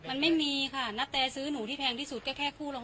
มันไม่มีค่ะนัตตาซื้อนูที่แพงที่สุดแค่คู่ละ๖๐๐๐